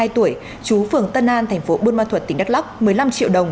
ba mươi hai tuổi chú phường tân an thành phố buôn ma thuật tỉnh đắk lắk một mươi năm triệu đồng